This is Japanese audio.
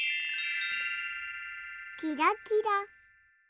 キラキラ。